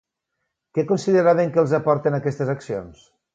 Què consideraven que els aporten aquestes accions?